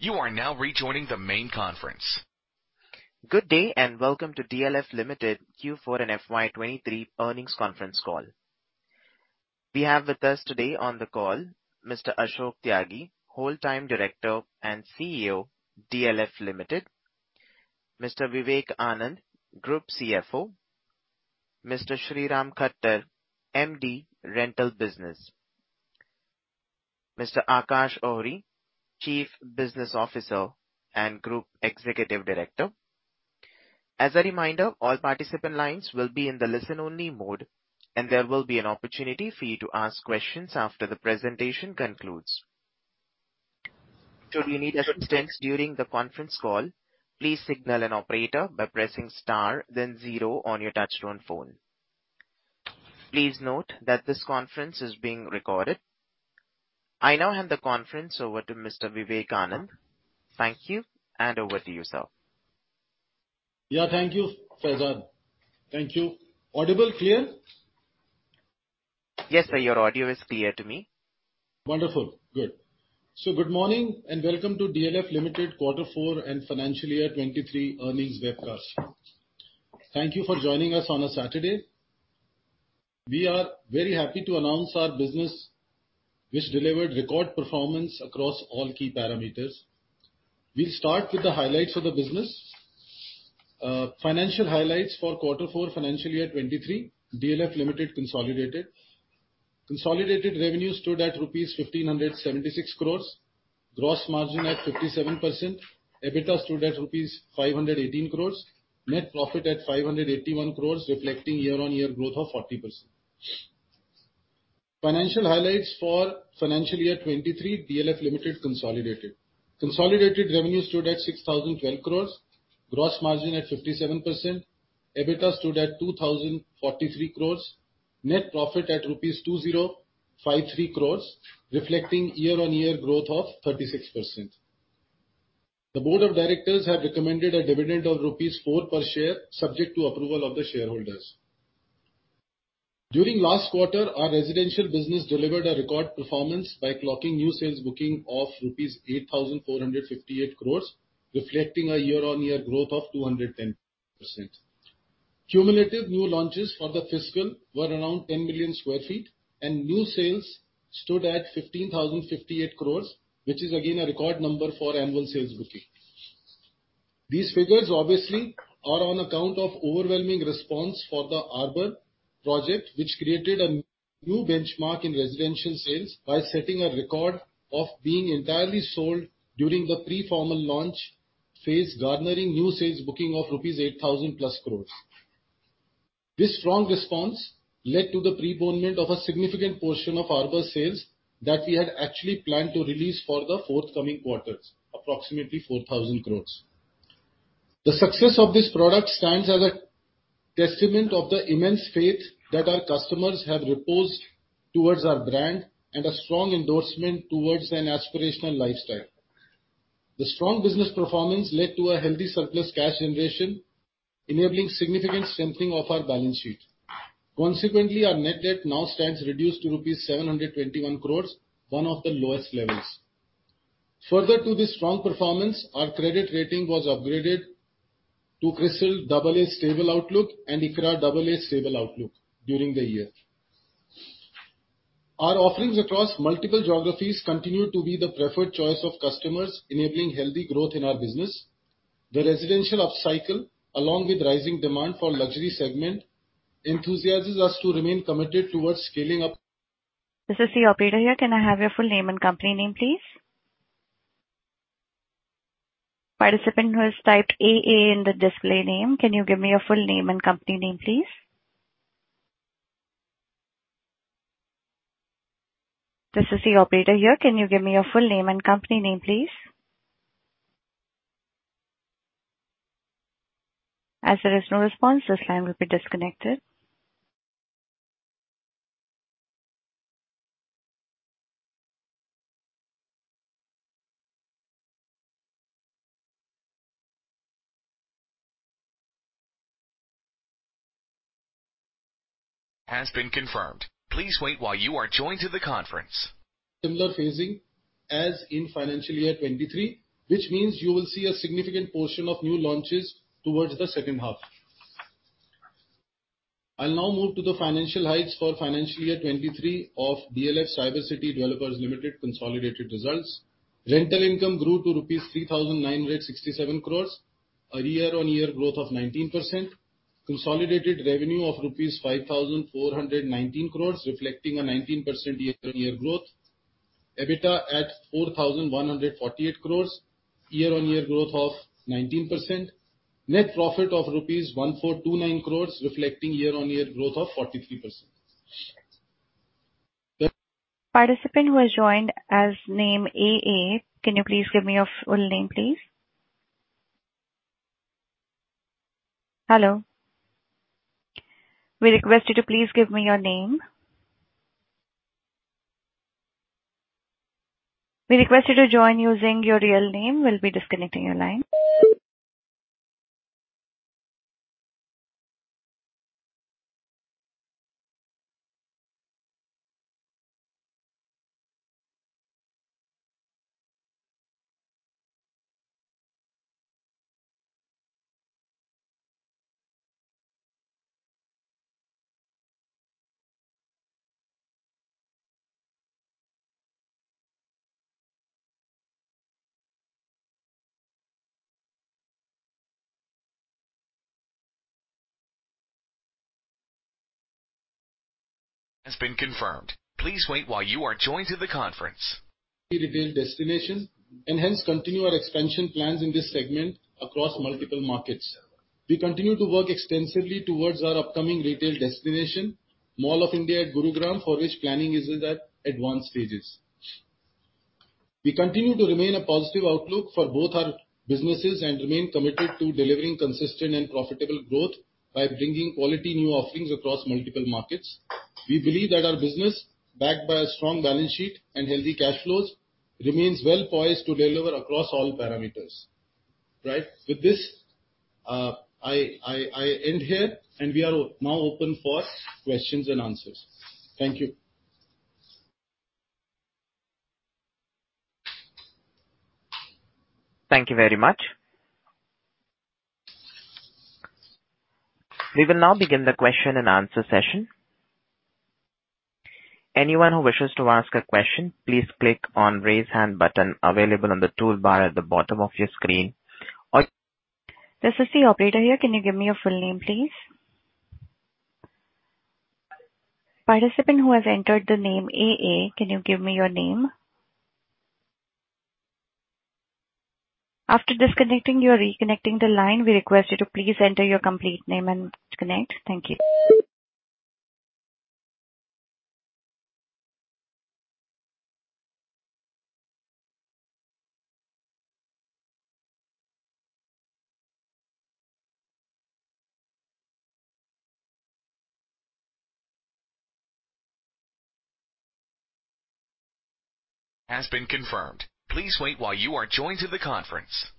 You are now rejoining the main conference. Good day, welcome to DLF Limited Q4 and FY 2023 earnings conference call. We have with us today on the call Mr. Ashok Tyagi, Whole Time Director and CEO, DLF Limited, Mr. Vivek Anand, Group CFO, Mr. Sriram Khattar, MD, Rental Business, Mr. Aakash Ohri, Chief Business Officer and Group Executive Director. As a reminder, all participant lines will be in the listen-only mode, and there will be an opportunity for you to ask questions after the presentation concludes. Should you need assistance during the conference call, please signal an operator by pressing star then zero on your touchtone phone. Please note that this conference is being recorded. I now hand the conference over to Mr. Vivek Anand. Thank you, over to you, sir. Yeah. Thank you, Faizan. Thank you. Audible clear? Yes, sir. Your audio is clear to me. Wonderful. Good morning, and welcome to DLF Limited quarter four and financial year 2023 earnings webcast. Thank you for joining us on a Saturday. We are very happy to announce our business which delivered record performance across all key parameters. We'll start with the highlights of the business. Financial highlights for quarter four financial year 2023, DLF Limited consolidated. Consolidated revenue stood at 1,576 crore, gross margin at 57%, EBITDA stood at rupees 518 crore, net profit at 581 crore, reflecting year-on-year growth of 40%. Financial highlights for Financial Year 2023, DLF Limited consolidated. Consolidated revenue stood at 6,012 crore, gross margin at 57%, EBITDA stood at 2,043 crore, net profit at rupees 2,053 crore, reflecting year-on-year growth of 36%. The Board of Directors have recommended a dividend of rupees 4 per share, subject to approval of the shareholders. During last quarter, our residential business delivered a record performance by clocking new sales booking of rupees 8,458 crore, reflecting a year-on-year growth of 210%. Cumulative new launches for the fiscal were around 10 million sq ft, and new sales stood at 15,058 crore, which is again a record number for annual sales booking. These figures obviously are on account of overwhelming response for The Arbour project, which created a new benchmark in residential sales by setting a record of being entirely sold during the pre-formal launch phase, garnering new sales booking of rupees 8,000+ crore. This strong response led to the preponement of a significant portion of Arbour sales that we had actually planned to release for the forthcoming quarters, approximately 4,000 crore. The success of this product stands as a testament of the immense faith that our customers have reposed towards our brand and a strong endorsement towards an aspirational lifestyle. The strong business performance led to a healthy surplus cash generation, enabling significant strengthening of our balance sheet. Consequently, our net debt now stands reduced to rupees 721 crore rupees, one of the lowest levels. Further to this strong performance, our credit rating was upgraded to CRISIL AA stable outlook and ICRA AA stable outlook during the year. Our offerings across multiple geographies continue to be the preferred choice of customers, enabling healthy growth in our business. The residential upcycle, along with rising demand for luxury segment, enthusiast us to remain committed towards scaling up. This is the operator here. Can I have your full name and company name, please? Participant who has typed AA in the display name, can you give me your full name and company name, please? This is the operator here. Can you give me your full name and company name, please? As there is no response, this line will be disconnected. Has been confirmed. Please wait while you are joined to the conference. ...similar phasing as in financial year 2023, which means you will see a significant portion of new launches towards the second half. I'll now move to the financial highlights for financial year 2023 of DLF Cyber City Developers Limited consolidated results. Rental income grew to rupees 3,967 crore, a year-on-year growth of 19%. Consolidated revenue of rupees 5,419 crore, reflecting a 19% year-on-year growth. EBITDA at 4,148 crore, year-on-year growth of 19%. Net profit of rupees 1,429 crore, reflecting year-on-year growth of 43%. Participant who has joined as name AA, can you please give me your full name, please? Hello. We request you to please give me your name. We request you to join using your real name. We'll be disconnecting your line. Has been confirmed. Please wait while you are joined to the conference. Hence continue our expansion plans in this segment across multiple markets. We continue to work extensively towards our upcoming retail destination, Mall of India at Gurugram, for which planning is at advanced stages. We continue to remain a positive outlook for both our businesses and remain committed to delivering consistent and profitable growth by bringing quality new offerings across multiple markets. We believe that our business, backed by a strong balance sheet and healthy cash flows, remains well-poised to deliver across all parameters. Right. With this, I end here. We are now open for questions and answers. Thank you. Thank you very much. We will now begin the question-and-answer session. Anyone who wishes to ask a question, please click on Raise Hand button available on the toolbar at the bottom of your screen or- This is the operator here. Can you give me your full name, please? Participant who has entered the name AA, can you give me your name? After disconnecting, you're reconnecting the line, we request you to please enter your complete name and connect. Thank you. Has been confirmed. Please wait while you are joined to the conference.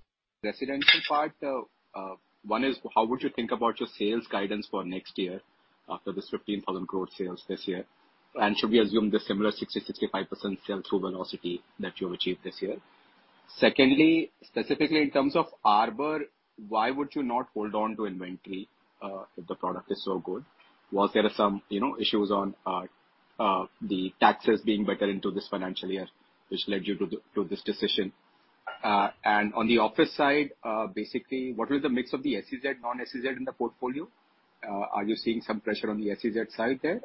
...residential part. One is how would you think about your sales guidance for next year after this 15,000 crore sales this year? Should we assume the similar 60%-65% sell-through velocity that you have achieved this year? Secondly, specifically in terms of The Arbour, why would you not hold on to inventory if the product is so good? Was there some, you know, issues on the taxes being better into this financial year which led you to this decision? On the office side, basically, what is the mix of the SEZ, non-SEZ in the portfolio? Are you seeing some pressure on the SEZ side there?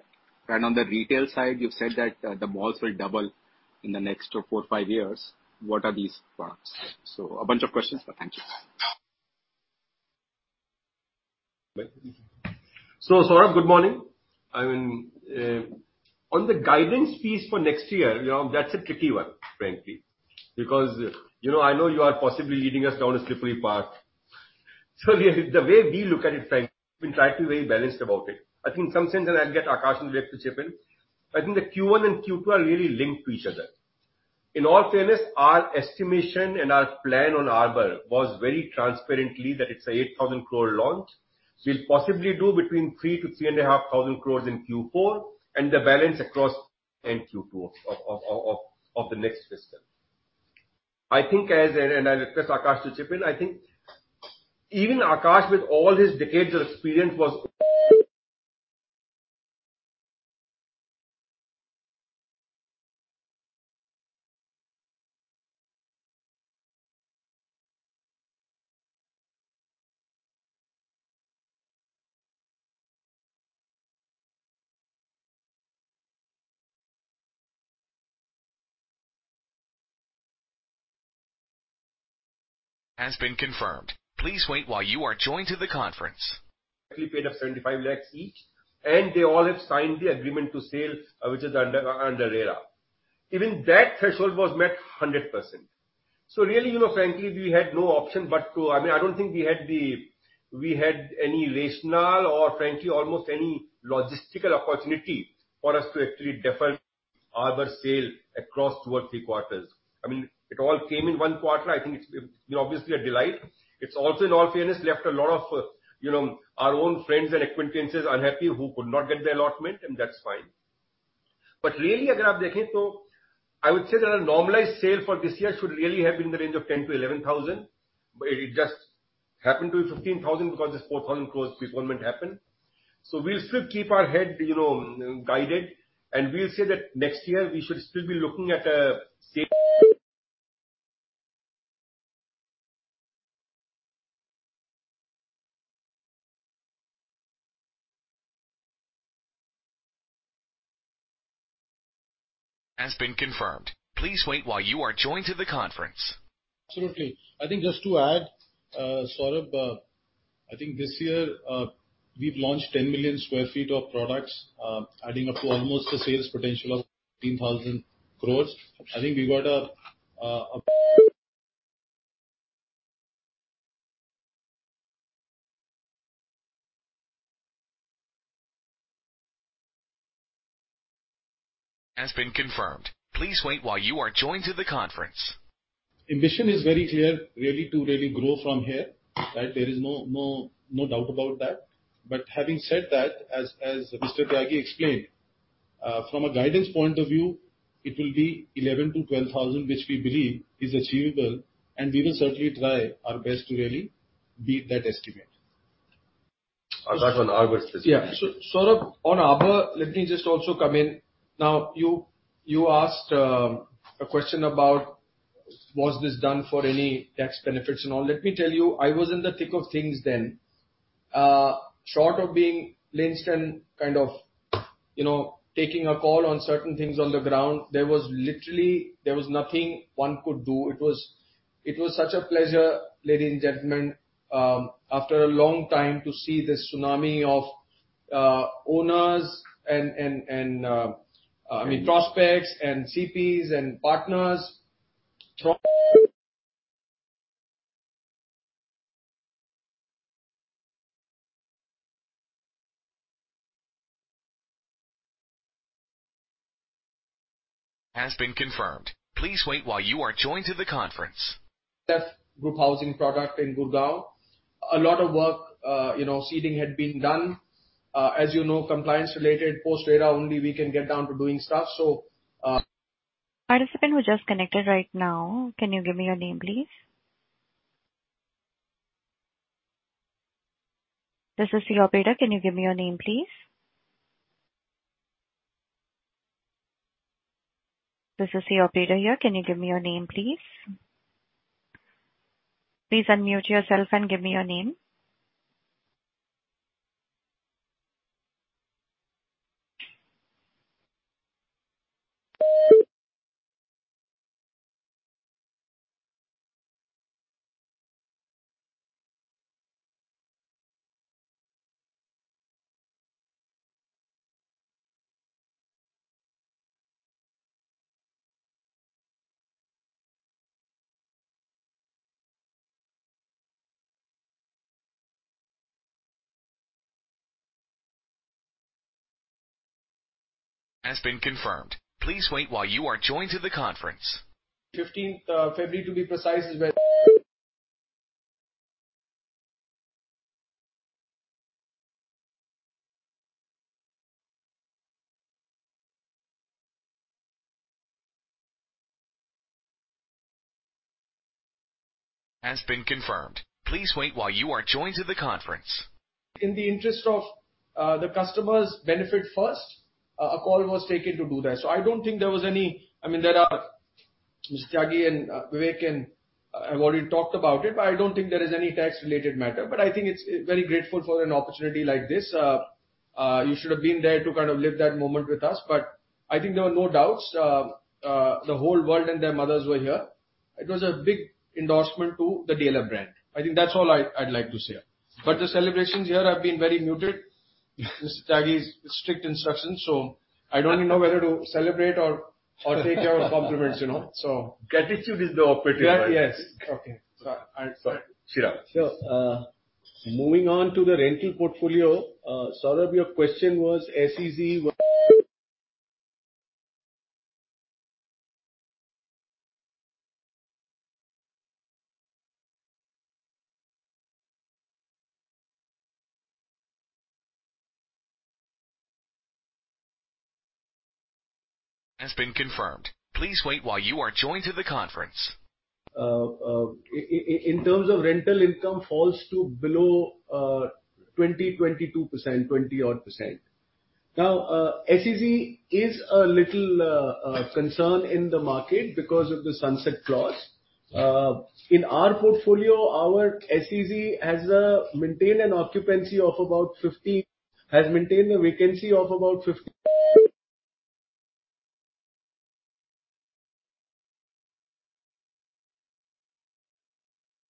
On the retail side, you've said that the malls will double in the next four, five years. What are these products? A bunch of questions but thank you. So Saurabh, good morning. I mean, on the guidance piece for next year, you know, that's a tricky one, frankly, because, you know, I know you are possibly leading us down a slippery path. The way we look at it, frankly, we try to be very balanced about it. I think in some sense, and I'll get Aakash and Vivek to chip in, I think the Q1 and Q2 are really linked to each other. In all fairness, our estimation and our plan on The Arbour was very transparently that it's an 8,000 crore launch. We'll possibly do between 3,000 crore-3,500 crore in Q4 and the balance across in Q2 of the next fiscal. I think as, and I'll request Aakash to chip in, I think even Aakash, with all his decades of experience, was- Has been confirmed. Please wait while you are joined to the conference. ...paid up 75 lakh each, they all have signed the agreement to sale, which is under RERA. Even that threshold was met 100%. Really, you know, frankly, we had no option but to. I mean, I don't think we had any rational or frankly, almost any logistical opportunity for us to actually defer Arbour sale across two or three quarters. I mean, it all came in one quarter. I think it's, you know, obviously a delight. It's also, in all fairness, left a lot of, you know, our own friends and acquaintances unhappy who could not get the allotment, and that's fine. Really, I would say that our normalized sale for this year should really have been in the range of 10,000-11,000 crore. It just happened to be 15,000 crore because this 4,000 crore postponement happened. We'll still keep our head, you know, guided, and we'll say that next year we should still be looking at a- Has been confirmed. Please wait while you are joined to the conference. Absolutely. I think just to add, Saurabh, I think this year, we've launched 10 million sq ft of products, adding up to almost a sales potential of 13,000 crore. I think we got a- Has been confirmed. Please wait while you are joined to the conference. Ambition is very clear really to really grow from here, right? There is no doubt about that. Having said that, as Mr. Tyagi explained, from a guidance point of view, it will be 11,000-12,000, which we believe is achievable, and we will certainly try our best to really beat that estimate. Aakash, on Arbour? Yeah. Saurabh, on The Arbour, let me just also come in. You asked a question about was this done for any tax benefits and all. Let me tell you, I was in the thick of things then. Short of being lynched and kind of, you know, taking a call on certain things on the ground, there was literally nothing one could do. It was such a pleasure, ladies and gentlemen, after a long time to see this tsunami of owners and I mean prospects and CPs and partners, strong- Has been confirmed. Please wait while you are joined to the conference. Group housing product in Gurgaon. A lot of work, you know, seeding had been done. As you know, compliance related post RERA only we can get down to doing stuff. Participant who just connected right now, can you give me your name, please? This is the operator. Can you give me your name, please? This is the operator here. Can you give me your name, please? Please unmute yourself and give me your name. Has been confirmed. Please wait while you are joined to the conference. 15th February, to be precise when- Has been confirmed. Please wait while you are joined to the conference. In the interest of the customer's benefit first, a call was taken to do that. I don't think there was any. I mean, Mr. Tyagi and Vivek and have already talked about it, I don't think there is any tax related matter. I think it's very grateful for an opportunity like this. You should have been there to kind of live that moment with us. I think there were no doubts. The whole world and their mothers were here. It was a big endorsement to the DLF brand. I think that's all I'd like to say. The celebrations here have been very muted. Mr. Tyagi's strict instructions, I don't even know whether to celebrate or take your compliments, you know, so. Gratitude is the operative word. Yeah. Yes. Okay. Sorry. I'm sorry. Saurabh. Moving on to the rental portfolio, Saurabh, your question was SEZ - Has been confirmed. Please wait while you are joined to the conference. In terms of rental income falls to below 20, 22%, 20 odd %. SEZ is a little concern in the market because of the sunset clause. In our portfolio, our SEZ has maintained a vacancy of about 15-.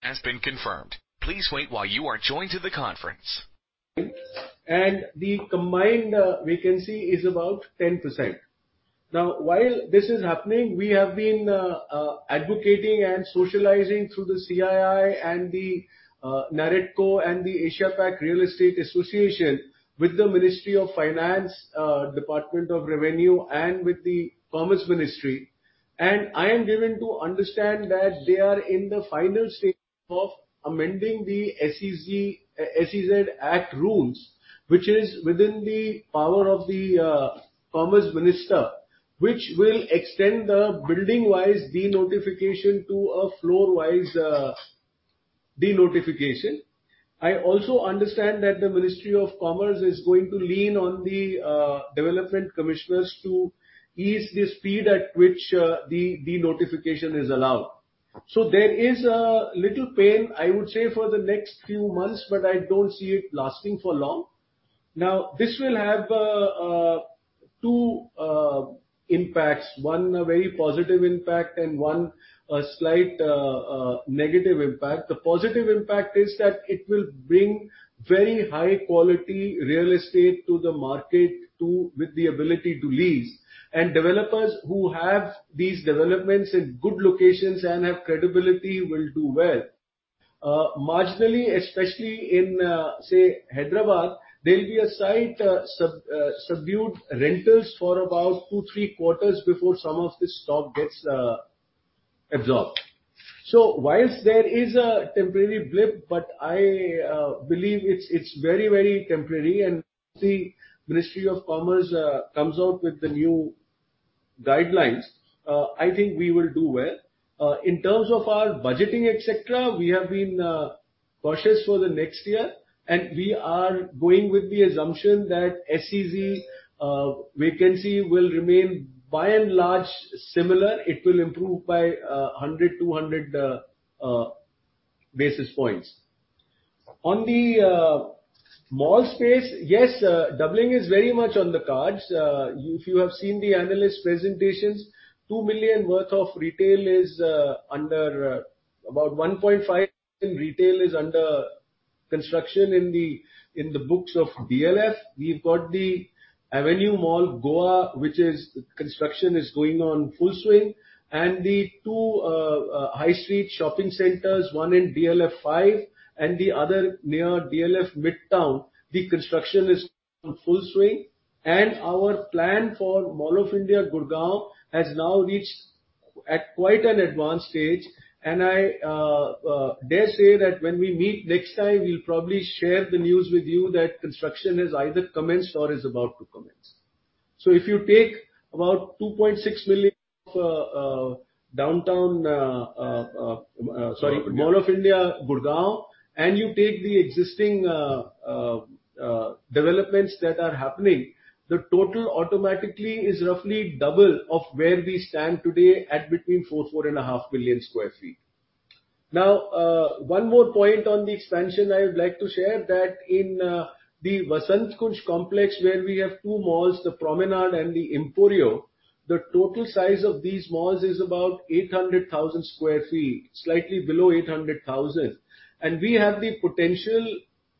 Has been confirmed. Please wait while you are joined to the conference. The combined vacancy is about 10%. While this is happening, we have been advocating and socializing through the CII and the NAREDCO and the Asia Pac Real Estate Association with the Ministry of Finance, Department of Revenue and with the Commerce Ministry. I am given to understand that they are in the final stages of amending the SEZ Act rules, which is within the power of the commerce minister, which will extend the building-wise denotification to a floor-wise denotification. I also understand that the Ministry of Commerce is going to lean on the development commissioners to ease the speed at which the denotification is allowed. There is a little pain, I would say, for the next few months, but I don't see it lasting for long. This will have two impacts: one, a very positive impact and one, a slight negative impact. The positive impact is that it will bring very high-quality real estate to the market with the ability to lease. Developers who have these developments in good locations and have credibility will do well. Marginally, especially in, say, Hyderabad, there'll be a slight subdued rentals for about two, three quarters before some of the stock gets absorbed. While there is a temporary blip, but I believe it's very, very temporary and see Ministry of Commerce comes out with the new guidelines, I think we will do well. In terms of our budgeting, et cetera, we have been cautious for the next year, we are going with the assumption that SEZ vacancy will remain by and large similar. It will improve by 100-200 basis points. On the mall space, yes, doubling is very much on the cards. If you have seen the analyst presentations, 2 million worth of retail is under, about 1.5 million retail is under construction in the books of DLF. We've got the Avenue Mall, Goa, which is, construction is going on full swing. The two high street shopping centers, one in DLF Phase 5 and the other near DLF Midtown, the construction is in full swing. Our plan for Mall of India, Gurgaon, has now reached at quite an advanced stage. I dare say that when we meet next time, we'll probably share the news with you that construction has either commenced or is about to commence. If you take about 2.6 million for Downtown, sorry, Mall of India, Gurgaon, and you take the existing developments that are happening, the total automatically is roughly double of where we stand today at between 4 million-4.5 million sq ft. One more point on the expansion I would like to share, that in the Vasant Kunj complex, where we have two malls, the Promenade and the Emporio, the total size of these malls is about 800,000 sq ft, slightly below 800,000. We have the potential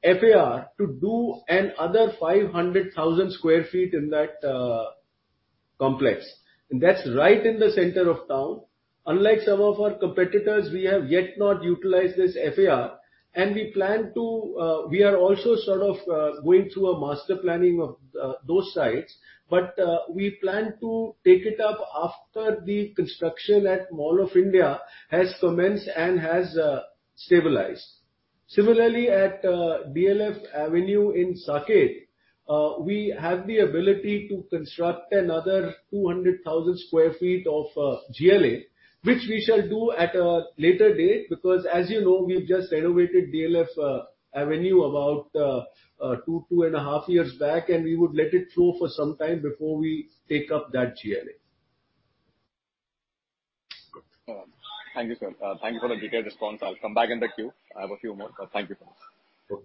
FAR to do another 500,000 sq ft in that complex. That's right in the center of town. Unlike some of our competitors, we have yet not utilized this FAR, and we plan to, we are also sort of, going through a master planning of, those sites. We plan to take it up after the construction at Mall of India has commenced and has stabilized. Similarly, at DLF Avenue in Saket, we have the ability to construct another 200,000 sq ft of GLA, which we shall do at a later date, because as you know, we've just renovated DLF Avenue about two and a half years back, and we would let it through for some time before we take up that GLA. Thank you, sir. Thank you for the detailed response. I'll come back in the queue. I have a few more. Thank you so much. Sure.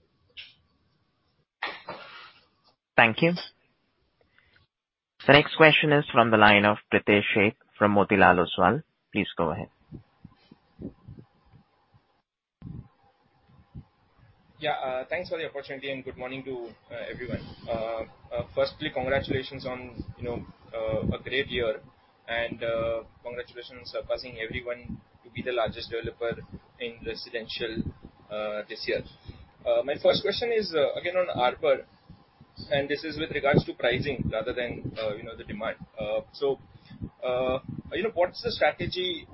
Thank you. The next question is from the line of Pritesh Sheth from Motilal Oswal. Please go ahead. Yeah. Thanks for the opportunity. Good morning to everyone. Firstly, congratulations on, you know, a great year. Congratulations on surpassing everyone to be the largest developer in residential this year. My first question is again on The Arbour. This is with regards to pricing rather than, you know, the demand. You know, what's the strategy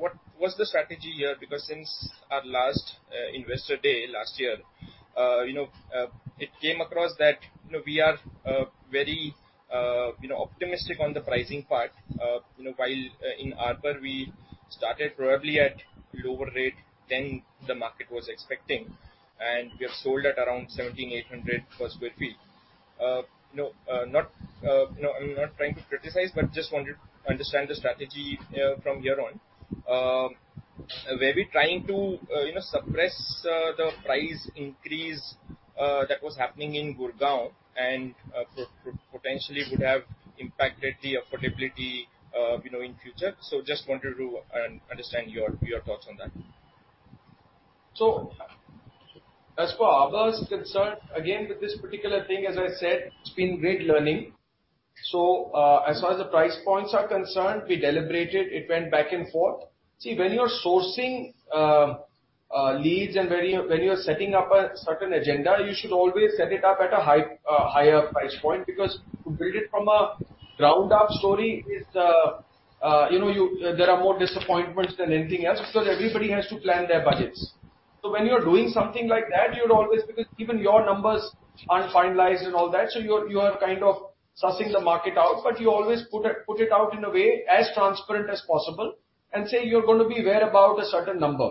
here? Because since our last Investor Day last year, you know, it came across that, you know, we are very, you know, optimistic on the pricing part. You know, while in The Arbour, we started probably at lower rate than the market was expecting. We have sold at around 17,800 per square feet. I'm not trying to criticize but just wanted understand the strategy from here on. Were we trying to suppress the price increase that was happening in Gurgaon could potentially impact affordability in the future. So just wanted to understand your thoughts on that. As far as The Arbour is concerned, again, with this particular thing, as I said, it's been great learning. As far as the price points are concerned, we deliberated. It went back and forth. See, when you're sourcing leads and when you're setting up a certain agenda, you should always set it up at a high, higher price point. Because to build it from a ground up story is, you know, you, there are more disappointments than anything else because everybody has to plan their budgets. When you're doing something like that, you'd always. Because even your numbers aren't finalized and all that, you are kind of sussing the market out. You always put it out in a way as transparent as possible and say you're gonna be whereabouts a certain number.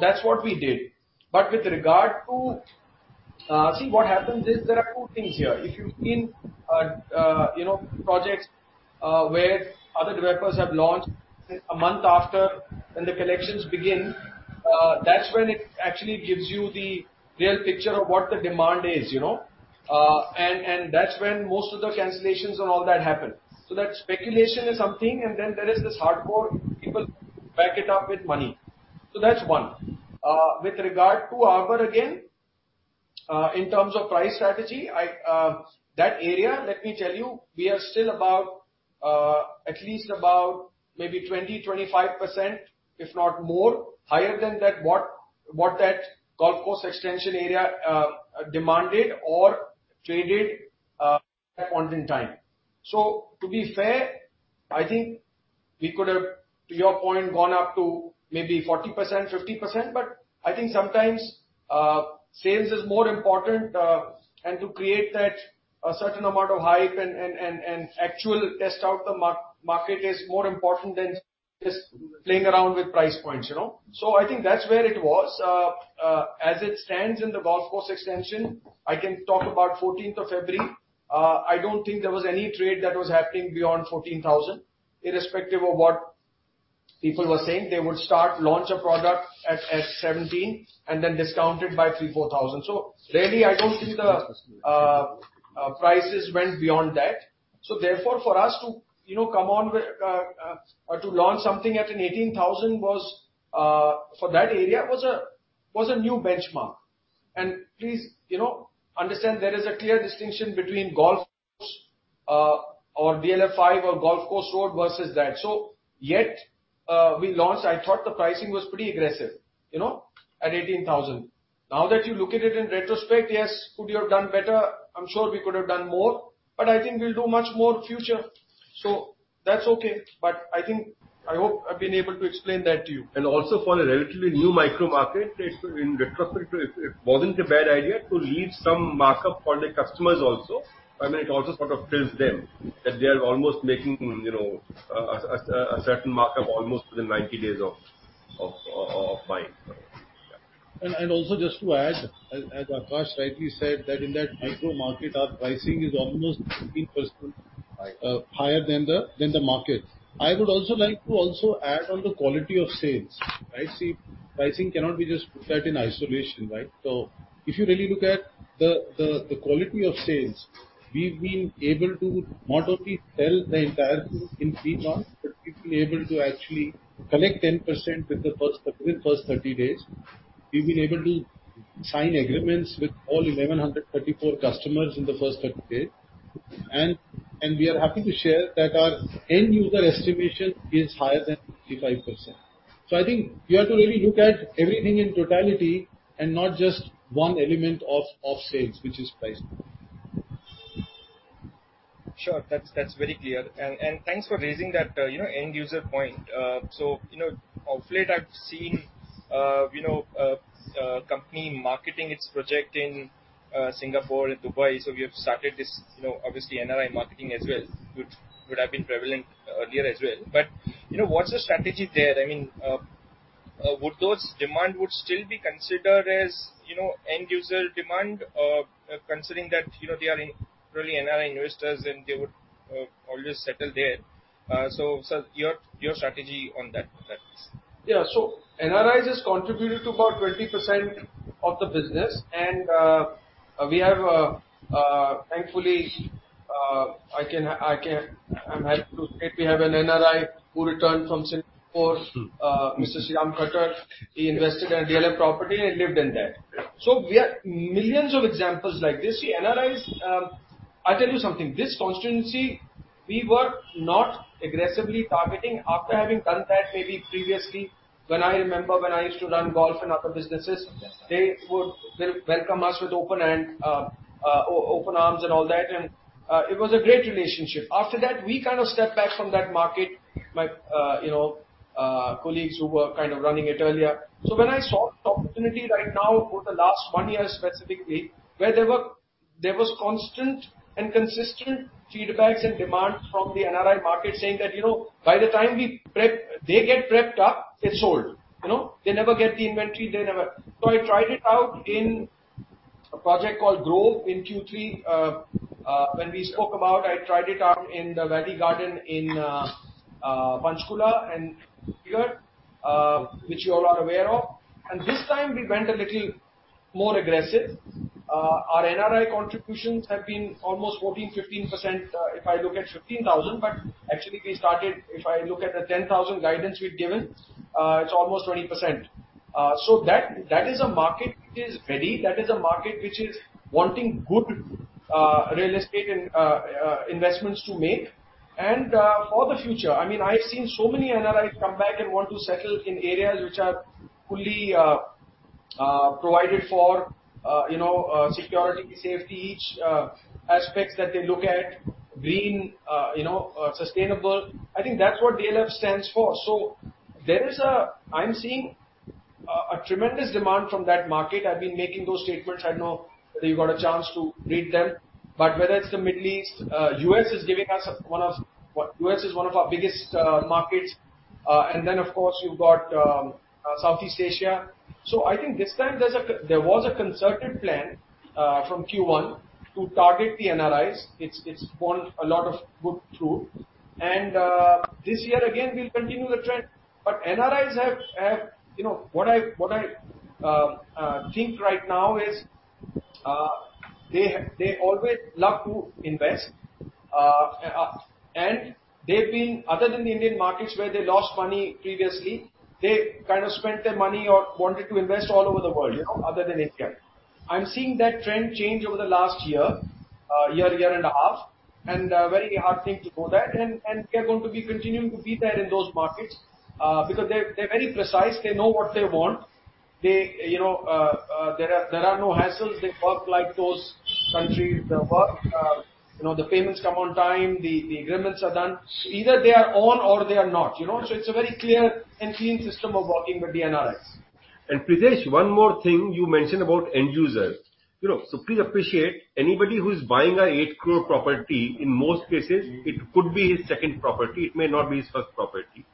That's what we did. With regard to. See, what happens is there are two things here. If you've been, you know, projects, where other developers have launched a month after, when the collections begin, that's when it actually gives you the real picture of what the demand is, you know. That's when most of the cancellations and all that happen. That speculation is something, and then there is this hardcore people back it up with money. That's one. With regard to The Arbour, again- In terms of price strategy, I, that area, let me tell you, we are still about, at least about maybe 20%-25%, if not more, higher than that what that Golf Course Extension area demanded or traded at point in time. To be fair, I think we could have, to your point, gone up to maybe 40%, 50%, but I think sometimes sales is more important, and to create that a certain amount of hype and actual test out the market is more important than just playing around with price points, you know. I think that's where it was. As it stands in the golf course extension, I can talk about 14th of February. I don't think there was any trade that was happening beyond 14,000, irrespective of what people were saying. They would start launch a product at 17,000 and then discount it by 3,000-4,000. Really I don't think the prices went beyond that. Therefore, for us to, you know, come on with or to launch something at an 18,000 was for that area was a new benchmark. Please, you know, understand there is a clear distinction between Golf Course or DLF Phase 5 or Golf Course Road versus that. Yet, we launched, I thought the pricing was pretty aggressive, you know, at 18,000. Now that you look at it in retrospect, yes, could you have done better? I'm sure we could have done more, but I think we'll do much more future. That's okay. I think... I hope I've been able to explain that to you. Also for a relatively new micro market, it's in retrospect, it wasn't a bad idea to leave some markup for the customers also. I mean, it also sort of thrills them that they are almost making, you know, a certain markup almost within 90 days of buying. Yeah. Also just to add, as Aakash rightly said, that in that micro market our pricing is almost 15%. Right. higher than the market. I would also like to add on the quality of sales, right? See, pricing cannot be just put that in isolation, right? If you really look at the quality of sales, we've been able to not only sell the entirety in 3 months, but we've been able to actually collect 10% within first 30 days. We've been able to sign agreements with all 1,134 customers in the first 30 days. We are happy to share that our end user estimation is higher than 55%. I think you have to really look at everything in totality and not just one element of sales, which is pricing. Sure. That's very clear. Thanks for raising that, you know, end user point. You know, of late I've seen, you know, company marketing its project in Singapore and Dubai. We have started this, you know, obviously NRI marketing as well, which would have been prevalent earlier as well. You know, what's the strategy there? I mean, would those demand would still be considered as, you know, end user demand, considering that, you know, they are really NRI investors and they would always settle there? Sir your strategy on that. Yeah. NRIs has contributed to about 20% of the business. We have, thankfully, I'm happy to state we have an NRI who returned from Singapore, Mr. Sriram Khattar, he invested in DLF property and lived in there. We are millions of examples like this. See, NRIs, I tell you something, this constituency, we were not aggressively targeting after having done that maybe previously when I remember when I used to run golf and other businesses. Yes, sir. They would welcome us with open hand, open arms and all that, it was a great relationship. After that, we kind of stepped back from that market. My, you know, colleagues who were kind of running it earlier. When I saw the opportunity right now over the last one year specifically, where there was constant and consistent feedbacks and demands from the NRI market saying that, you know, by the time they get prepped up, it's sold. You know, they never get the inventory, they never. I tried it out in a project called Grove in Q3. When we spoke about I tried it out in the Valley Garden in Panchkula and which you all are aware of. This time we went a little more aggressive. Our NRI contributions have been almost 14%, 15%. If I look at 15,000, but actually we started, if I look at the 10,000 guidance we've given, it's almost 20%. That, that is a market which is ready. That is a market which is wanting good real estate and investments to make and for the future. I mean, I've seen so many NRIs come back and want to settle in areas which are fully provided for, you know, security, safety, each aspects that they look at, green, you know, sustainable. I think that's what DLF stands for. I'm seeing a tremendous demand from that market. I've been making those statements. I don't know whether you got a chance to read them. Whether it's the Middle East, U.S. is one of our biggest markets. Then of course, you've got, Southeast Asia. I think this time there was a concerted plan, from Q1 to target the NRIs. It's borne a lot of good fruit. This year again we'll continue the trend. NRIs have, you know, what I, think right now is. They always love to invest. Other than the Indian markets where they lost money previously, they kind of spent their money or wanted to invest all over the world, you know, other than India. I'm seeing that trend change over the last year and a half, very heartening to know that. We are going to be continuing to be there in those markets because they're very precise. They know what they want. They, you know, there are no hassles. They work like those countries, you know, the payments come on time, the agreements are done. Either they are on or they are not, you know? It's a very clear and clean system of working with the NRIs. Pritesh, one more thing you mentioned about end users. You know, please appreciate anybody who is buying a 8 crore property, in most cases it could be his second property, it may not be his first property.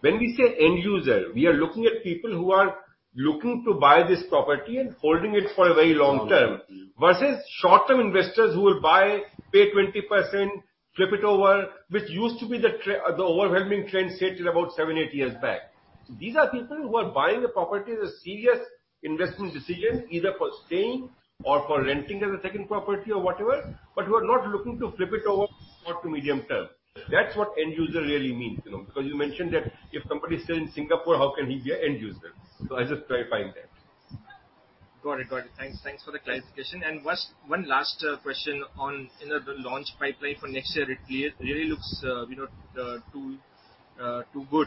When we say end user, we are looking at people who are looking to buy this property and holding it for a very long term, versus short-term investors who will buy, pay 20%, flip it over, which used to be the overwhelming trend, say till about seven, eight years back. These are people who are buying the property as a serious investment decision, either for staying or for renting as a second property or whatever, but who are not looking to flip it over short to medium term. That's what end user really means, you know. You mentioned that if somebody is still in Singapore, how can he be a end user? I just clarifying that. Got it. Got it. Thanks, thanks for the clarification. One last question on, you know, the launch pipeline for next year. It really looks, you know, too good.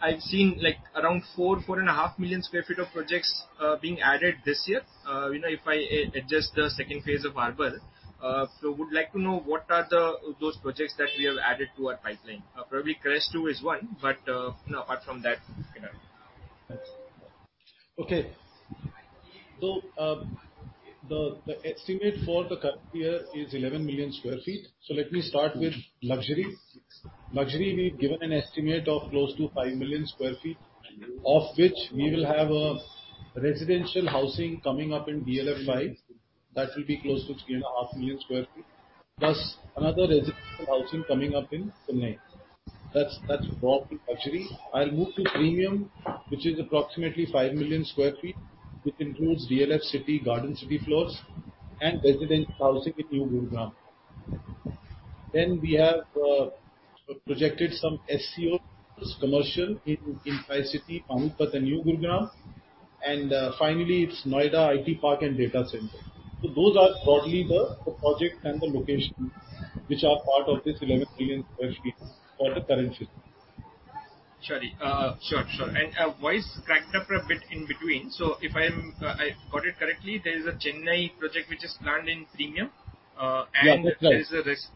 I've seen like around 4.5 million sq ft of projects being added this year. You know, if I adjust the second phase of The Arbour. Would like to know what are those projects that we have added to our pipeline? Probably The Crest 2 is one, you know, apart from that, you know. Okay. The estimate for the current year is 11 million sq ft. Let me start with luxury. Luxury, we've given an estimate of close to 5 million sq ft, of which we will have a residential housing coming up in DLF Five. That will be close to 3.5 million sq ft. Plus another residential housing coming up in Chennai. That's bulk luxury. I'll move to premium, which is approximately 5 million sq ft, which includes DLF City, Garden City floors, and residential housing in New Gurgaon. We have projected some SCOs, commercial in Tri-City, Faridabad, and New Gurgaon. Finally, it's Noida IT Park and Data Center. Those are broadly the project and the location which are part of this 11 million sq ft for the current year. Sure. Sure. Voice cracked up a bit in between. If I've got it correctly, there is a Chennai project which is planned in premium. Yeah, that's right. And there is a res-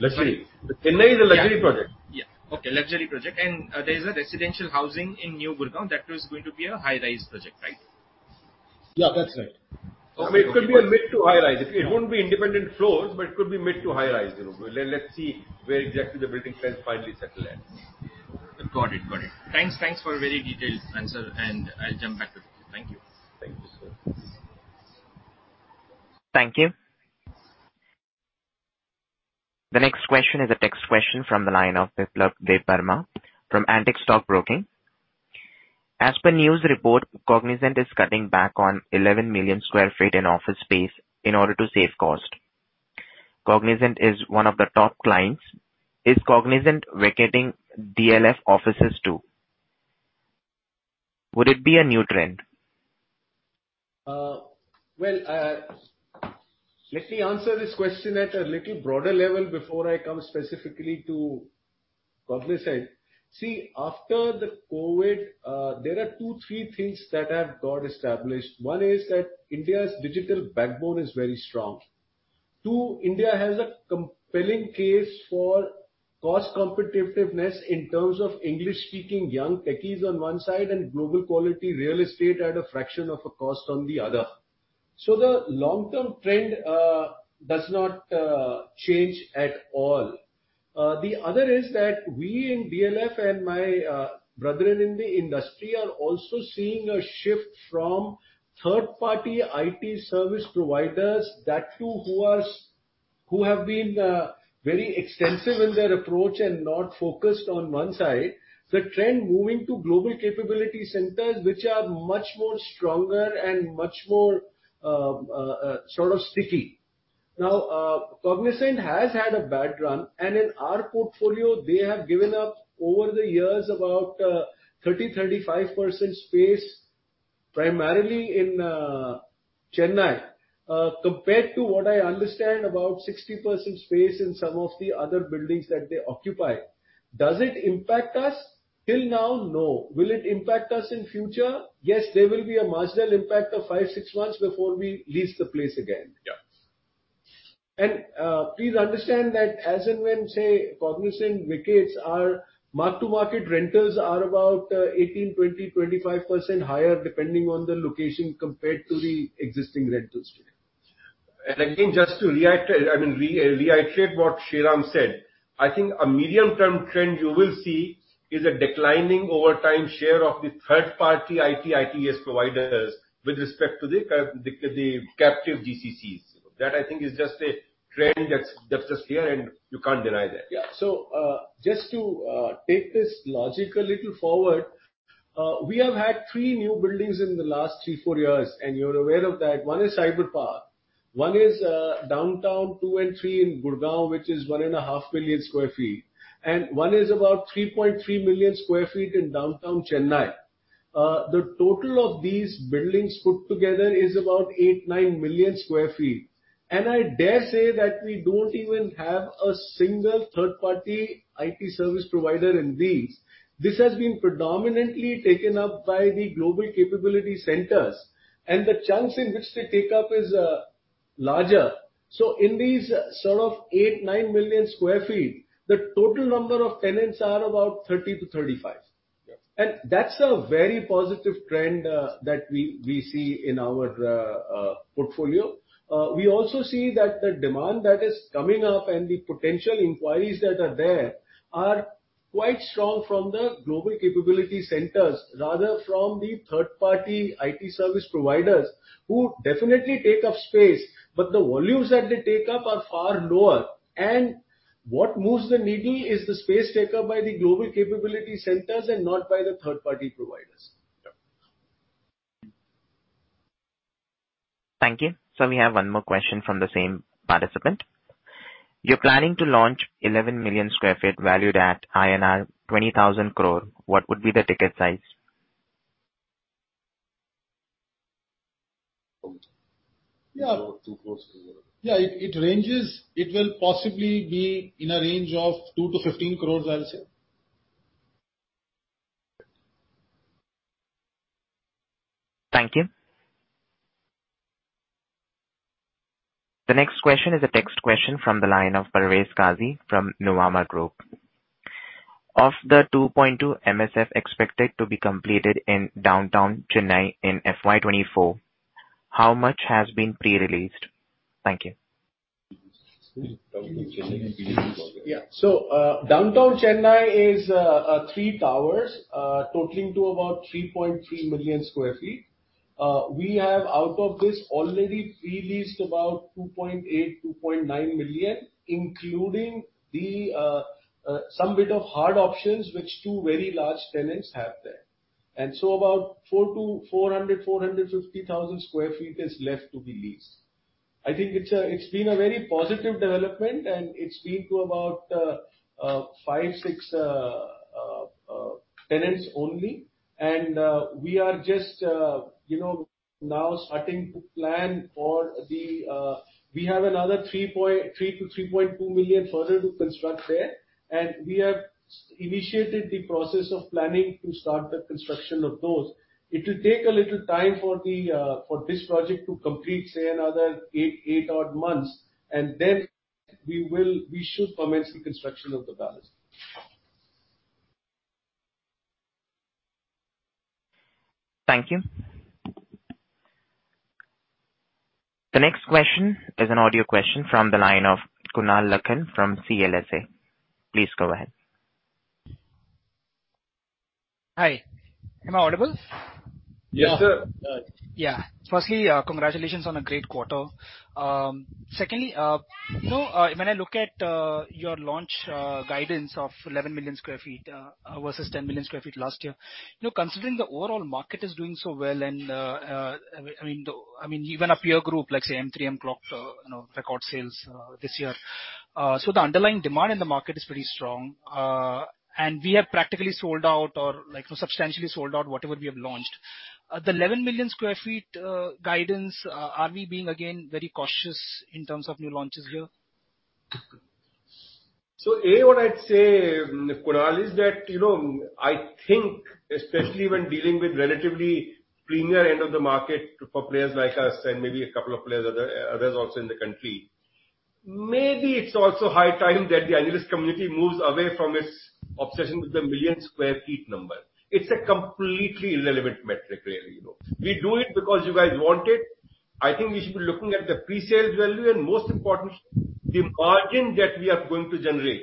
Luxury. Sorry? Chennai is a luxury project. Yeah. Okay, luxury project. There is a residential housing in New Gurgaon that is going to be a high-rise project, right? Yeah, that's right. I mean, it could be a mid to high rise. It won't be independent floors, but it could be mid to high rise, you know. Let's see where exactly the building plans finally settle at. Got it. Got it. Thanks, thanks for a very detailed answer. I'll jump back to the queue. Thank you. Thank you, sir. Thank you. The next question is a text question from the line of Biplab Debbarma from Antique Stock Broking. As per news report, Cognizant is cutting back on 11 million sq ft in office space in order to save cost. Cognizant is one of the top clients. Is Cognizant vacating DLF offices too? Would it be a new trend? Well, let me answer this question at a little broader level before I come specifically to Cognizant. See, after the COVID, there are two, three things that have got established. One is that India's digital backbone is very strong. 2, India has a compelling case for cost competitiveness in terms of English-speaking young techies on one side, and global quality real estate at a fraction of a cost on the other. The long-term trend does not change at all. The other is that we in DLF and my brethren in the industry are also seeing a shift from third-party IT service providers that too who are who have been very extensive in their approach and not focused on one side. The trend moving to global capability centers, which are much more stronger and much more sort of sticky. Cognizant has had a bad run, and in our portfolio, they have given up over the years about 30%-35% space, primarily in Chennai, compared to what I understand about 60% space in some of the other buildings that they occupy. Does it impact us? Till now, no. Will it impact us in future? Yes, there will be a marginal impact of five, six months before we lease the place again. Yeah. Please understand that as and when, say, Cognizant vacates, our mark-to-market renters are about 18, 20, 25% higher depending on the location compared to the existing rentals here. Again, just to react, I mean, reiterate what Sriram said, I think a medium-term trend you will see is a declining over time share of the third party IT/ITS providers with respect to the captive GCCs. That I think is just a trend that's just here and you can't deny that. Just to take this logic a little forward. We have had three new buildings in the last three, four years, and you're aware of that. One is Cyberpark. One is Downtown 2 and 3 in Gurgaon, which is 1.5 million sq ft. One is about 3.3 million sq ft in Downtown Chennai. The total of these buildings put together is about 8, 9 million sq ft. I dare say that we don't even have a single third-party IT service provider in these. This has been predominantly taken up by the global capability centers, and the chunks in which they take up is larger. In these sort of 8, 9 million sq ft, the total number of tenants are about 30 to 35. Yes. That's a very positive trend that we see in our portfolio. We also see that the demand that is coming up and the potential inquiries that are there are quite strong from the Global Capability Centers rather from the third-party IT service providers, who definitely take up space, but the volumes that they take up are far lower. What moves the needle is the space taken up by the Global Capability Centers and not by the third-party providers. Yeah. Thank you. Sir, we have one more question from the same participant. You're planning to launch 11 million sq ft valued at INR 20,000 crore. What would be the ticket size? INR 2 crore. Yeah. INR 2 crore. Yeah, it ranges. It will possibly be in a range of 2 crore-15 crore, I'll say. Thank you. The next question is a text question from the line of Parvez Qazi from Nuvama Group. Of the 2.2 MSF expected to be completed in Downtown Chennai in FY 2024, how much has been pre-released? Thank you. Downtown Chennai. Yeah. Downtown Chennai is three towers, totaling to about 3.3 million sq ft. We have out of this already pre-leased about 2.8-2.9 million, including the some bit of hard options which two very large tenants have there. About 450,000 sq ft is left to be leased. I think it's been a very positive development, and it's been to about five, six tenants only. We are just, you know, now starting to plan for the... We have another 3-3.2 million further to construct there, and we have initiated the process of planning to start the construction of those. It will take a little time for this project to complete, say another 8 odd months, and then we should commence the construction of the towers. Thank you. The next question is an audio question from the line of Kunal Lakhan from CLSA. Please go ahead. Hi. Am I audible? Yes, sir. Firstly, congratulations on a great quarter. Secondly, you know, when I look at your launch guidance of 11 million sq ft versus 10 million sq ft last year, you know, considering the overall market is doing so well and, I mean, even a peer group like say M3M clocked, you know, record sales this year. So the underlying demand in the market is pretty strong and we have practically sold out or like substantially sold out whatever we have launched. The 11 million sq ft guidance, are we being again very cautious in terms of new launches here? A, what I'd say, Kunal, is that, you know, I think especially when dealing with relatively premier end of the market for players like us and maybe a couple of players others also in the country, maybe it's also high time that the analyst community moves away from its obsession with the million sq ft number. It's a completely irrelevant metric really, you know. We do it because you guys want it. I think we should be looking at the pre-sales value, and most importantly, the margin that we are going to generate.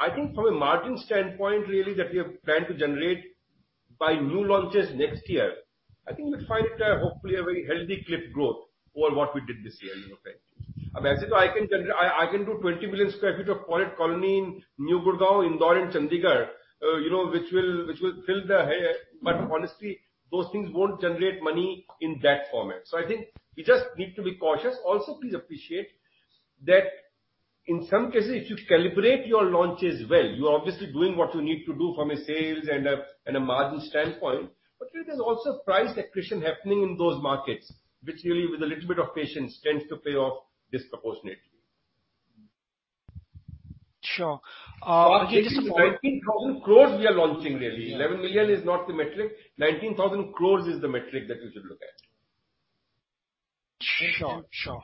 I think from a margin standpoint really that we have planned to generate by new launches next year, I think we'll find, hopefully a very healthy clip growth over what we did this year, you know, okay? I mean, as if I can. I can do 20 million sq ft of plotted colony in New Gurgaon, Indore and Chandigarh, you know, which will fill the head, but honestly, those things won't generate money in that format. I think we just need to be cautious. Also, please appreciate that in some cases, if you calibrate your launches well, you are obviously doing what you need to do from a sales and a, and a margin standpoint. There's also price accretion happening in those markets, which really with a little bit of patience tends to pay off disproportionately. Sure. Okay, just to follow up- INR 19,000 crore we are launching really. 11 million is not the metric. 19,000 crore is the metric that you should look at. Sure. Sure.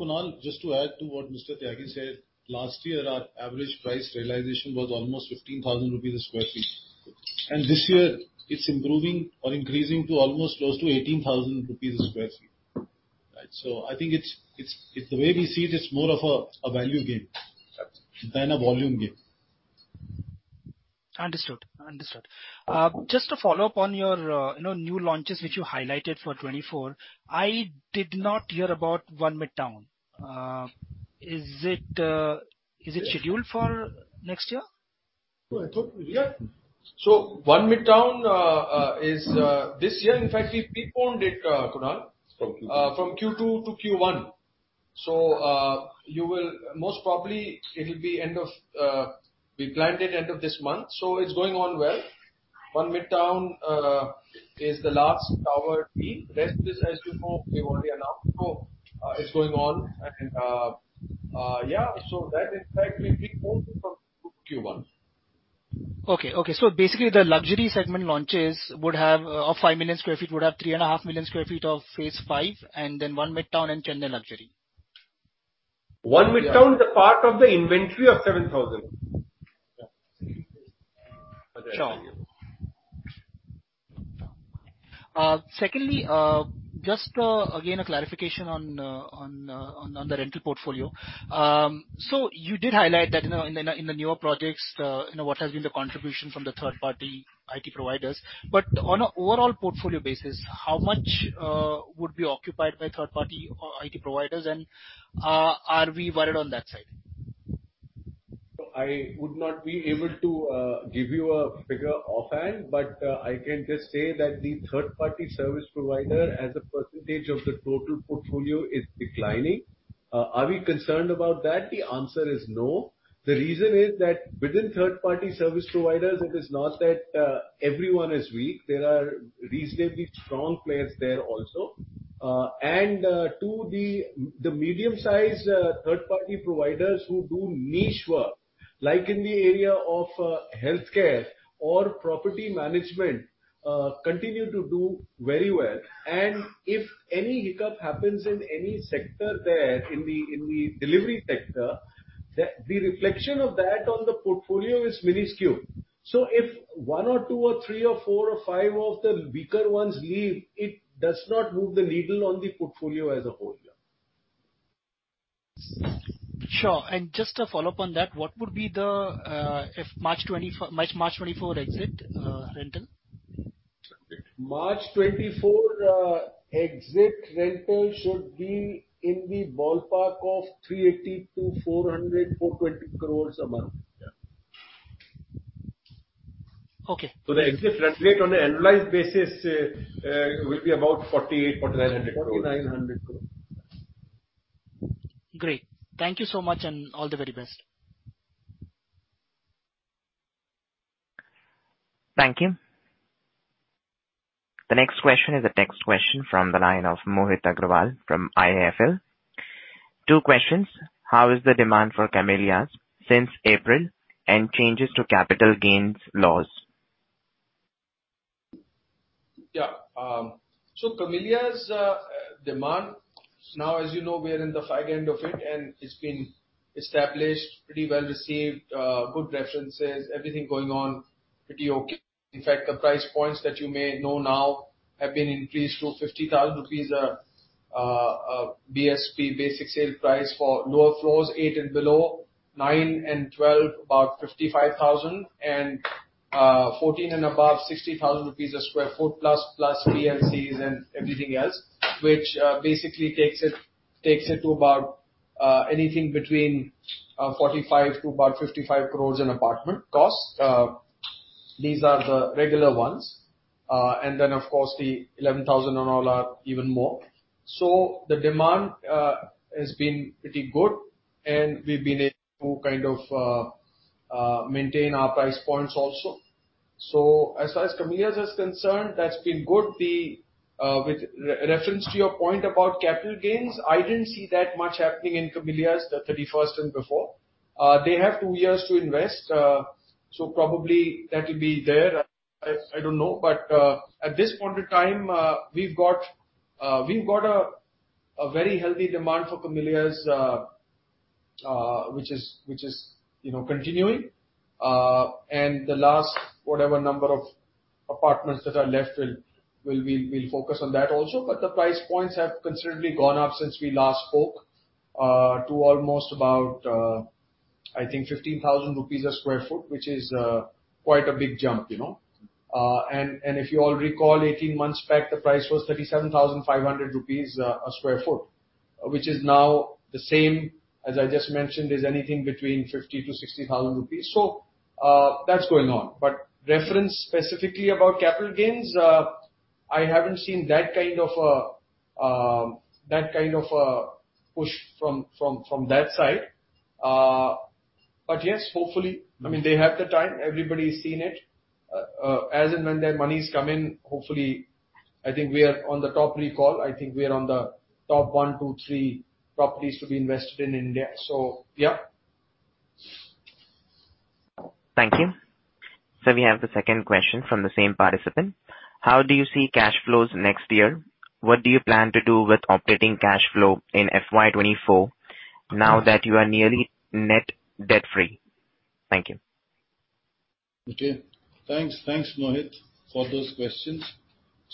Kunal, just to add to what Mr. Tyagi said, last year our average price realization was almost 15,000 rupees a sq ft. This year it's improving or increasing to almost close to 18,000 rupees a sq ft. Right. I think it's the way we see it's more of a value gain than a volume gain. Understood. Understood. just to follow up on your, you know, new launches which you highlighted for 2024, I did not hear about One Midtown. Is it scheduled for next year? Well, I thought we are. One Midtown is this year. In fact, we've preponed it, Kunal. From Q2. From Q2 to Q1. You will most probably it'll be end of, we planned it end of this month, so it's going on well. One Midtown, is the last tower B. Rest is, as you know, we've already announced. It's going on and, yeah, so that in fact will be moved from Q1. Okay. Okay. Basically the luxury segment launches would have of 5 million sq ft, would have three and a half million sq ft of phase V, and then One Midtown and Chennai Luxury. One Midtown is a part of the inventory of 7,000. Sure. Secondly, just again, a clarification on the rental portfolio. You did highlight that, you know, in the newer projects, you know, what has been the contribution from the third party IT providers. On an overall portfolio basis, how much would be occupied by third party IT providers? Are we worried on that side? I would not be able to give you a figure offhand, but I can just say that the third-party service provider as a percentage of the total portfolio is declining. Are we concerned about that? The answer is no. The reason is that within third party service providers, it is not that everyone is weak. There are reasonably strong players there also. And to the medium size third party providers who do niche work, like in the area of healthcare or property management, continue to do very well. If any hiccup happens in any sector there in the, in the delivery sector, the reflection of that on the portfolio is minuscule. If one or two or three or four or five of the weaker ones leave, it does not move the needle on the portfolio as a whole. Sure. Just a follow-up on that, what would be the if March 2024 exit rental? March 24 exit rental should be in the ballpark of 380-420 crore a month. Yeah. Okay. The exit run-rate on an annualized basis, will be about 4,800 crore-4,900 crore. 4,900 crore. Great. Thank you so much and all the very best. Thank you. The next question is a text question from the line of Mohit Agrawal from IIFL. Two questions. How is the demand for Camellias since April, and changes to capital gains-loss? The Camellias demand now, as you know, we are in the far end of it, and it's been established pretty well received, good references, everything going on pretty okay. In fact, the price points that you may know now have been increased to 50,000 rupees BSP, basic sale price for lower floors eight and below, nine and 12 about 55,000 and 14 and above 60,000 rupees a sq ft plus PLCs and everything else, which basically takes it to about anything between 45 crore-55 crore an apartment cost. These are the regular ones. Of course the 11,000 and all are even more. The demand has been pretty good, and we've been able to kind of maintain our price points also. As far as Camellias is concerned, that's been good. The with reference to your point about capital gains, I didn't see that much happening in Camellias, the thirty-first and before. They have two years to invest, so probably that'll be there. I don't know. At this point in time, we've got a very healthy demand for Camellias, which is, you know, continuing. The last whatever number of apartments that are left will, we'll focus on that also. The price points have considerably gone up since we last spoke, to almost about I think 15,000 rupees a square foot, which is quite a big jump, you know. If you all recall, 18 months back, the price was 37,500 rupees a square foot, which is now the same, as I just mentioned, is anything between 50,000-60,000 rupees. That's going on. Reference specifically about capital gains, I haven't seen that kind of push from that side. Yes, hopefully, I mean, they have the time. Everybody's seen it. As and when their money's come in, hopefully, I think we are on the top recall. I think we are on the top one, two, three properties to be invested in India. Yeah. Thank you. Sir, we have the second question from the same participant. How do you see cash flows next year? What do you plan to do with operating cash flow in FY 2024 now that you are nearly net debt-free? Thank you. Okay. Thanks. Thanks, Mohit, for those questions.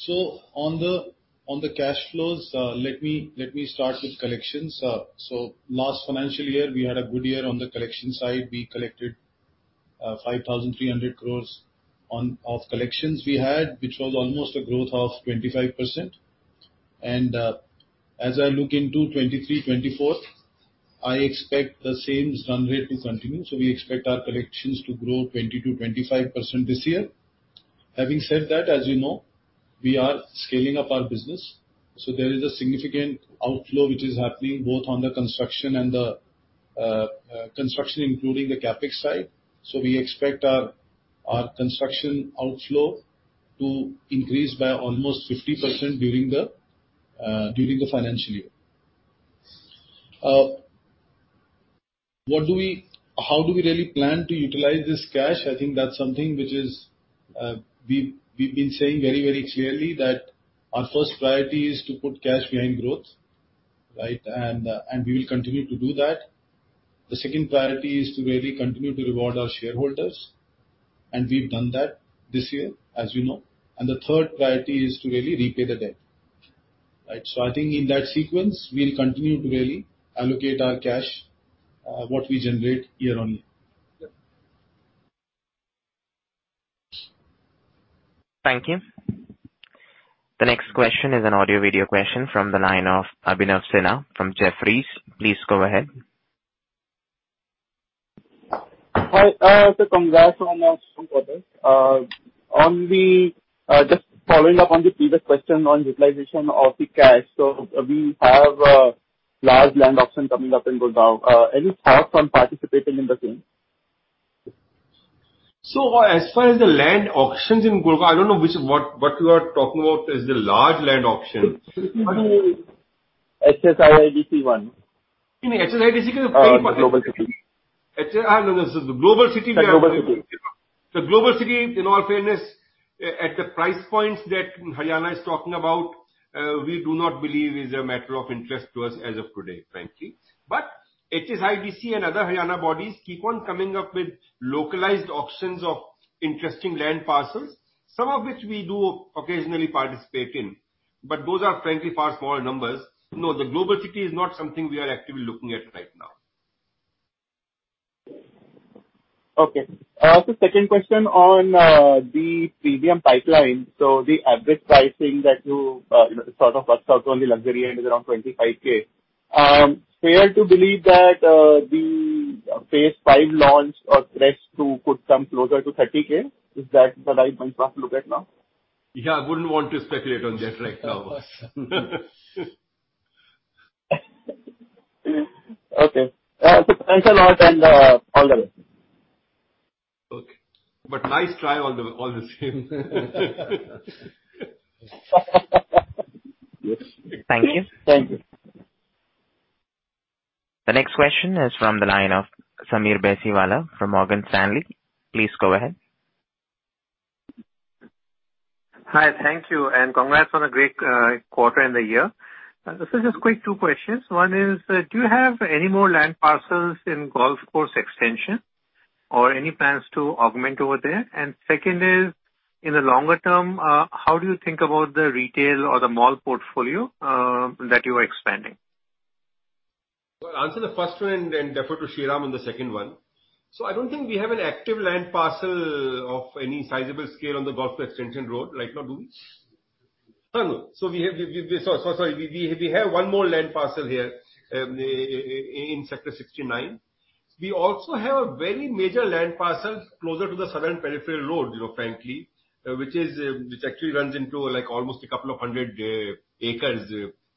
On the cash flows, let me start with collections. Last financial year we had a good year on the collection side. We collected 5,300 crore of collections we had, which was almost a growth of 25%. As I look into 2023, 2024, I expect the same run rate to continue. We expect our collections to grow 20%-25% this year. Having said that, as you know, we are scaling up our business, there is a significant outflow which is happening both on the construction and the construction, including the CapEx side. We expect our construction outflow to increase by almost 50% during the financial year. How do we really plan to utilize this cash? I think that's something which is, we've been saying very, very clearly that our first priority is to put cash behind growth, right? We will continue to do that. The second priority is to really continue to reward our shareholders, and we've done that this year, as you know. The third priority is to really repay the debt, right? I think in that sequence we'll continue to really allocate our cash, what we generate year on year. Thank you. The next question is an audio-video question from the line of Abhinav Sinha from Jefferies. Please go ahead. Hi. Sir, congrats on a strong quarter. On the, just following up on the previous question on utilization of the cash. We have large land auction coming up in Gurgaon. Any thoughts on participating in the same? As far as the land auctions in Gurgaon, I don't know which, what you are talking about is the large land auction. The HSIIDC one. No, HSIIDC is a very- Global City. HSI no. The Global City. Yeah, Global City. The Global City, in all fairness, at the price points that Haryana is talking about, we do not believe is a matter of interest to us as of today, frankly. HSIIDC and other Haryana bodies keep on coming up with localized auctions of interesting land parcels, some of which we do occasionally participate in, but those are frankly far smaller numbers. The Global City is not something we are actively looking at right now. Okay. Sir, second question on the premium pipeline. The average pricing that you know, sort of bust out on the luxury end is around 25K. Fair to believe that the DLF phase V launch or stretch two could come closer to 30K? Is that the right benchmark to look at now? Yeah, I wouldn't want to speculate on that right now. Okay. Sir, thanks a lot, and all the best. Okay. nice try all the same. Thank you. The next question is from the line of Sameer Baisiwala from Morgan Stanley. Please go ahead. Hi. Thank you, and congrats on a great quarter and the year. This is just quick two questions. One is, do you have any more land parcels in Golf Course Extension or any plans to augment over there? Second is, in the longer term, how do you think about the retail or the mall portfolio that you are expanding? Well, I'll answer the first one and defer to Sriram on the second one. I don't think we have an active land parcel of any sizable scale on the Golf Course Extension Road right now. Do we? Sorry. We have one more land parcel here in Sector 69. We also have a very major land parcel closer to the Southern Peripheral Road, you know, frankly, which actually runs into, like, almost a couple of hundred acres,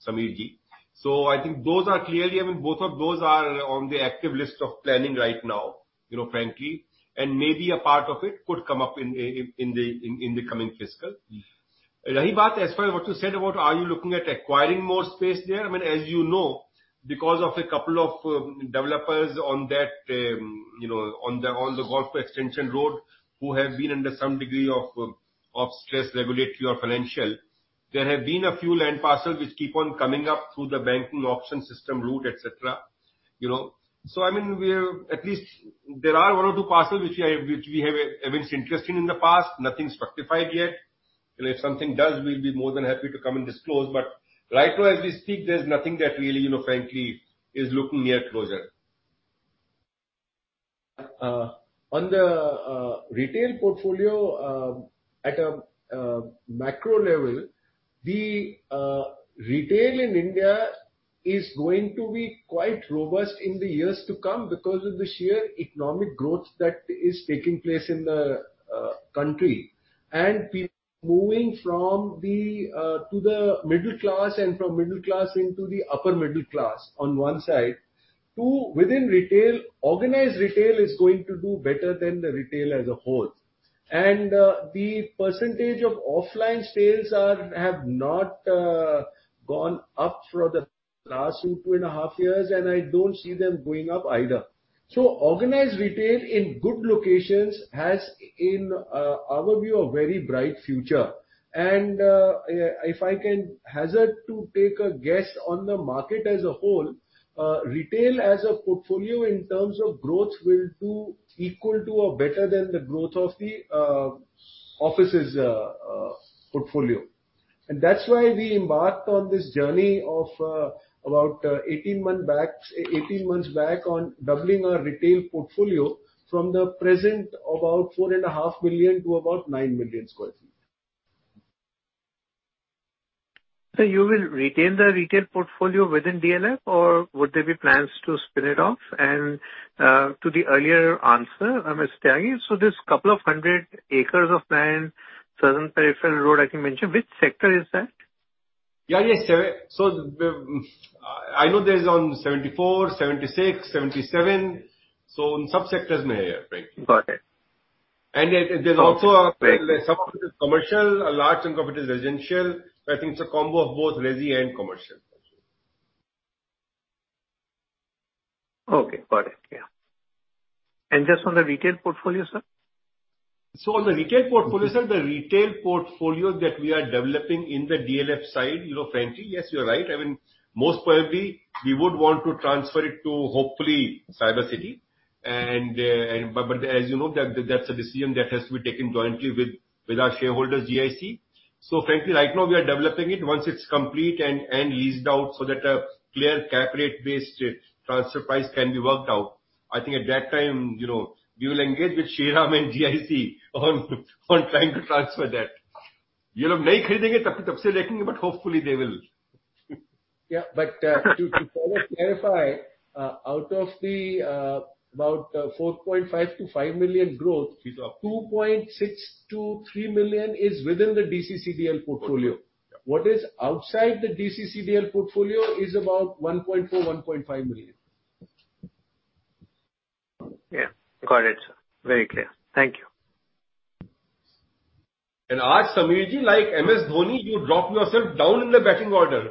Sameerji. I think those are clearly, I mean, both of those are on the active list of planning right now, you know, frankly, and maybe a part of it could come up in the coming fiscal. As far as what you said about are you looking at acquiring more space there? I mean, as you know, because of a couple developers on that, you know, on the Golf Course Extension Road, who have been under some degree of stress, regulatory or financial, there have been a few land parcels which keep on coming up through the banking auction system route, et cetera, you know. I mean, there are one or two parcels which we have been interested in in the past. Nothing's structified yet. You know, if something does, we'll be more than happy to come and disclose. Right now, as we speak, there's nothing that really, you know, frankly is looking at closure. On the retail portfolio, at a macro level, the retail in India is going to be quite robust in the years to come because of the sheer economic growth that is taking place in the country and people moving from the to the middle class and from middle class into the upper middle class on one side. Two, within retail, organized retail is going to do better than the retail as a whole. The percentage of offline sales have not gone up for the last two and a half years, and I don't see them going up either. Organized retail in good locations has, in our view, a very bright future. If I can hazard to take a guess on the market as a whole, retail as a portfolio in terms of growth will do equal to or better than the growth of the offices portfolio. That's why we embarked on this journey of about 18 months back on doubling our retail portfolio from the present about 4.5 million to about 9 million sq ft. You will retain the retail portfolio within DLF or would there be plans to spin it off? To the earlier answer, Mr. Tyagi, this couple of hundred acres of land Southern Peripheral Road I think mentioned, which sector is that? Yeah, yeah. I know there's on 74, 76, 77. So in all sectors, there it is. Got it. There, there's also. Okay, great. Some of it is commercial, a large chunk of it is residential. I think it's a combo of both resi and commercial. Okay, got it. Yeah. Just on the retail portfolio, sir? On the retail portfolio, sir, the retail portfolio that we are developing in the DLF, you know, frankly, yes, you're right. I mean, most probably we would want to transfer it to hopefully Cyber City. As you know, that's a decision that has to be taken jointly with our shareholders, GIC. Frankly, right now we are developing it. Once it's complete and leased out so that a clear cap rate-based transfer price can be worked out. I think at that time, you know, we will engage with Sriram and GIC on trying to transfer that. Hopefully they will. Yeah. To sort of clarify, out of the about 4.5 million-5 million growth, 2.6 million-3 million is within the DCCDL portfolio. What is outside the DCCDL portfolio is about 1.4 million-1.5 million. Yeah, got it, sir. Very clear. Thank you. Today, Sameerji, like MS Dhoni, you dropped yourself down in the batting order.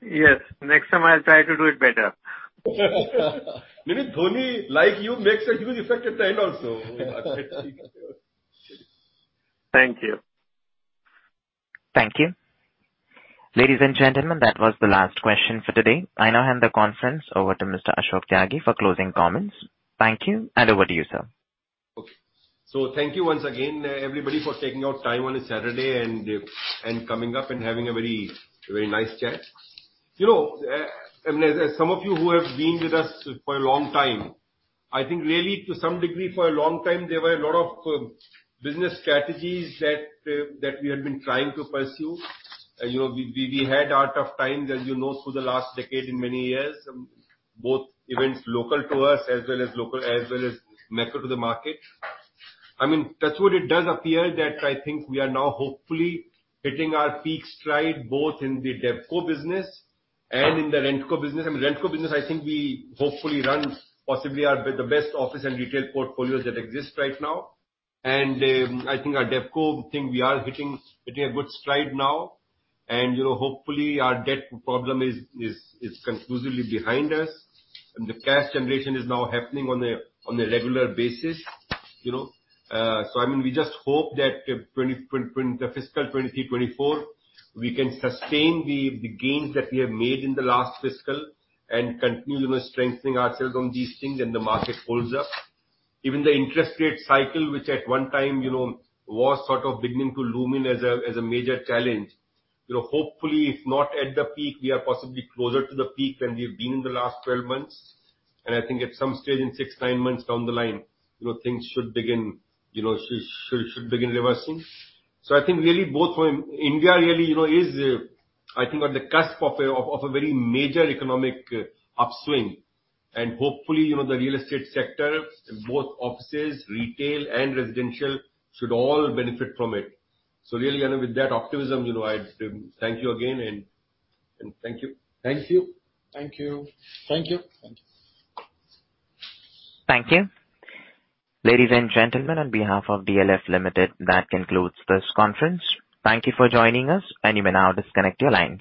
Yes. Next time I'll try to do it better. No, no, Dhoni, like you, makes a huge effect at the end also. Thank you. Thank you. Ladies and gentlemen, that was the last question for today. I now hand the conference over to Mr. Ashok Tyagi for closing comments. Thank you. Over to you, sir. Thank you once again, everybody, for taking out time on a Saturday and coming up and having a very, very nice chat. You know, as some of you who have been with us for a long time, I think really to some degree for a long time, there were a lot of business strategies that we had been trying to pursue. You know, we had our tough times, as you know, through the last decade and many years, both events local to us as well as local, as well as macro to the market. That's what it does appear that I think we are now hopefully hitting our peak stride, both in the DevCo business and in the RentCo business. I mean, RentCo business, I think we hopefully run possibly the best office and retail portfolios that exist right now. I think our DevCo, I think we are hitting a good stride now. You know, hopefully our debt problem is conclusively behind us. The cash generation is now happening on a regular basis, you know. I mean, we just hope that the fiscal 2023-2024, we can sustain the gains that we have made in the last fiscal and continue strengthening ourselves on these things, and the market holds up. Even the interest rate cycle, which at one time, you know, was sort of beginning to loom in as a major challenge. You know, hopefully, if not at the peak, we are possibly closer to the peak than we've been in the last 12 months. I think at some stage in six, nine months down the line, you know, things should begin reversing. India really, you know, is, I think on the cusp of a, of a very major economic upswing. Hopefully, you know, the real estate sector, both offices, retail and residential should all benefit from it. Really, and with that optimism, you know, I thank you again and thank you. Thank you. Thank you. Thank you. Thank you. Thank you. Ladies and gentlemen, on behalf of DLF Limited, that concludes this conference. Thank you for joining us, and you may now disconnect your lines.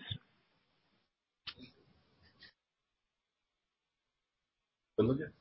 Hello again.